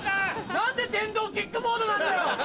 何で電動キックボードなんだよ。